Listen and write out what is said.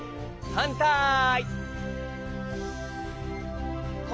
はんたい。